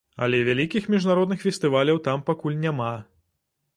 Але вялікіх міжнародных фестываляў там пакуль няма.